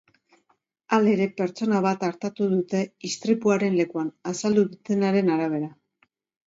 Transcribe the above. Halere, pertsona bat artatu dute istripuaren lekuan, azaldu dutenaren arabera.